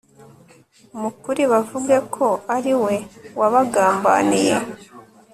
mu kuri bavuge ko ari we wabagambaniye